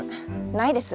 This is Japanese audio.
ないです。